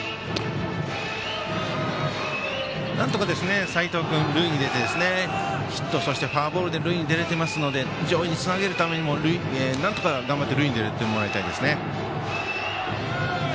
なんとか齋藤君、塁に出てヒット、そしてフォアボールで塁に出れますので上位につなげるためにもなんとか塁に出てもらいたいですね。